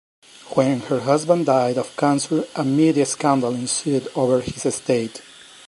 When her husband died of cancer, a media scandal ensued over his estate.